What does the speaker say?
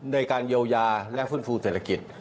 ในการเยียวยาและฟื้นฟูเศรษฐกิจ